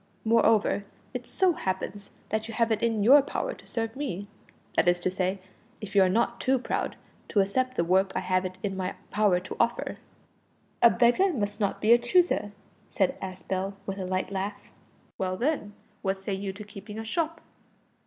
Moreover, it so happens that you have it in your power to serve me that is to say, if you are not too proud to accept the work I have it in my power to offer." "A beggar must not be a chooser," said Aspel, with a light laugh. "Well, then, what say you to keeping a shop?"